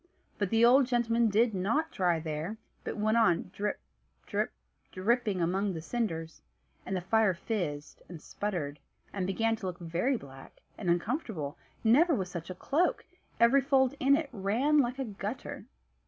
But the old gentleman did not dry there, but went on drip, drip, dripping among the cinders, and the fire fizzed, and sputtered, and began to look very black, and uncomfortable: never was such a cloak; every fold in it ran like a gutter.